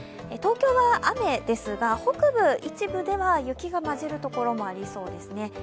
東京は雨ですが、北部、一部では雪が交じる所もありそうですね。